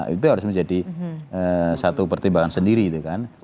itu harus menjadi satu pertimbangan sendiri itu kan